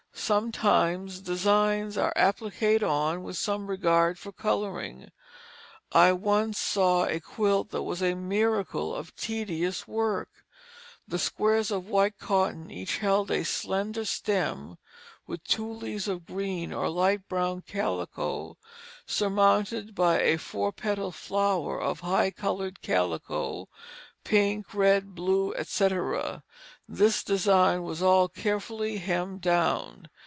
Sometimes designs are appliqued on with some regard for coloring. I once saw a quilt that was a miracle of tedious work. The squares of white cotton each held a slender stem with two leaves of green or light brown calico, surmounted by a four petalled flower of high colored calico, pink, red, blue, etc. This design was all carefully hemmed down.